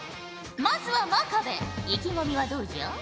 まずは真壁意気込みはどうじゃ？